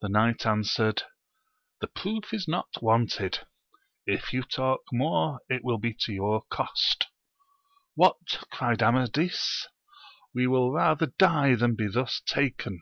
The knight answered, The proof is not wanted : if you talk more it will be to your cost What ! cried Amadis, we will rather die than be thus taken